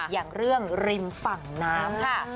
อย่างเรื่องริมฝั่งน้ำค่ะ